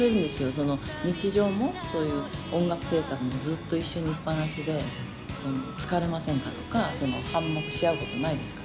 その日常もそういう音楽制作もずっと一緒にいっぱなしで「疲れませんか？」とか「反目し合うことないですか？」